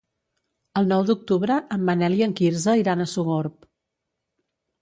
El nou d'octubre en Manel i en Quirze iran a Sogorb.